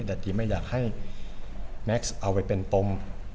ดาดดีไม่อยากให้แม็กซ์เอาไว้เป็นปม